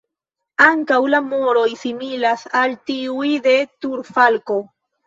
Ankaŭ la moroj similas al tiuj de turfalko.